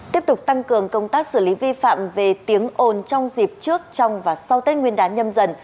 tiếp tục tăng cường công tác xử lý vi phạm về tiếng ồn trong dịp trước trong và sau tết nguyên đán nhâm dần